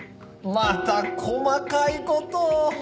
また細かい事を。